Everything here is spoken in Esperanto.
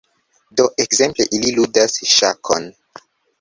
Do, ekzemple ili ludas ŝakon